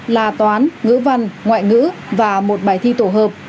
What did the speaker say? là toán ngữ văn ngoại ngữ và một bài thi tổ hợp